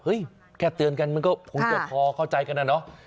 แค่เตือนกันมันก็คงจะพอเข้าใจกันนะเนาะ